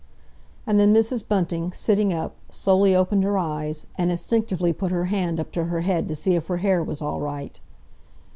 And then Mrs. Bunting, sitting up, slowly opened her eyes, and instinctively put her hand up to her head to see if her hair was all right.